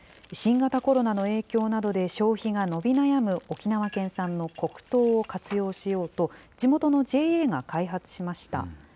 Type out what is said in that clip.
新型コロナの影響などで、消費が伸び悩む沖縄県産の黒糖を活用しようと、地元のＪＡが開発しました。